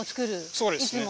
そうですね。